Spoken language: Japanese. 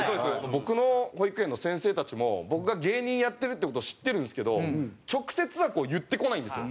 僕の保育園の先生たちも僕が芸人やってるって事を知ってるんですけど直接は言ってこないんですよ。